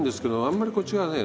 あんまりこっちがね